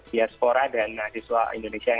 diaspora dan mahasiswa indonesia